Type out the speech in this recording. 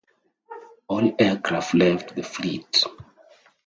All aircraft left the fleet.